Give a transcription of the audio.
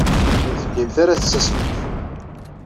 Ur tellimt ara tettasmemt.